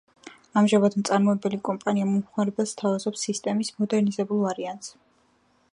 ამჟამად მწარმოებელი კომპანია მომხმარებელს სთავაზობს სისტემის მოდერნიზებულ ვარიანტს.